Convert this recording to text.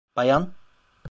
Bayan...